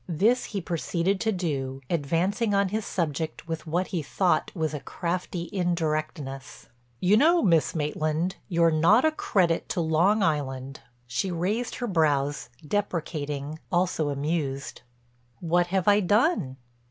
This he proceeded to do, advancing on his subject with what he thought was a crafty indirectness: "You know, Miss Maitland, you're not a credit to Long Island." She raised her brows, deprecating, also amused: "What have I done?"